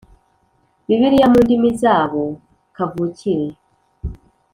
Bibiliya mu ndimi zabo kavukire